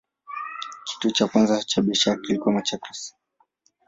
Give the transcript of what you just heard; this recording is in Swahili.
Kituo cha kwanza cha biashara kilikuwa Machakos.